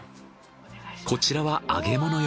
こちらは揚げ物用。